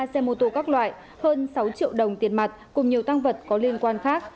một mươi ba xe mô tô các loại hơn sáu triệu đồng tiền mặt cùng nhiều tăng vật có liên quan khác